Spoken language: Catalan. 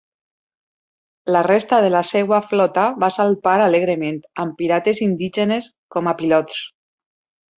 La resta de la seva flota va salpar alegrement, amb pirates indígenes com a pilots.